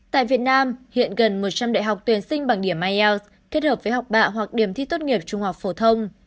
tại việt nam hiện gần một trăm linh đại học tuyển sinh bằng điểm ielts kết hợp với học bạ hoặc điểm thi tốt nghiệp trung học phổ thông